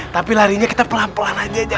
tapi larinya kita pelan pelan aja